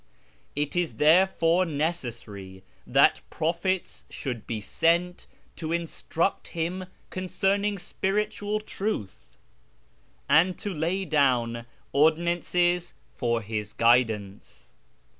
It is therefore necessary that prophets should be sent to instruct him concerning spiritual truth, and to lay down ordinances for his guidance.